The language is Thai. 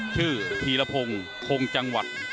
คือฮิลาพงกรงจังหวัด